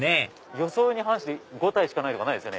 予想に反して５体しかないとかないですよね。